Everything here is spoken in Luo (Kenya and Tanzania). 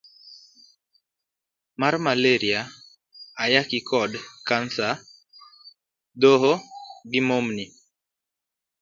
C. mar Maleria, Ayaki, kod kansaD. Dhoho, gi momni